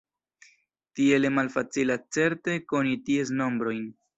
Tiele malfacilas certe koni ties nombrojn.